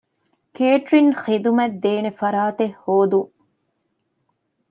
ކޭޓްރިންގ ޚިދުމަތްދޭނެ ފަރާތެއް ހޯދުން